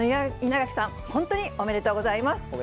稲垣さん、本当におめでとうございます。